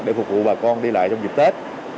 để phục vụ bà con đi lại trong dịp tết